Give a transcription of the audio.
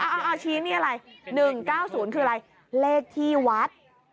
เอาชี้นี่อะไร๑๙๐คืออะไรเลขที่วัด